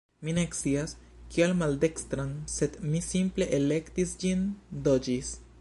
Mi ne scias, kial maldekstran, sed mi simple elektis ĝin. Do ĝis!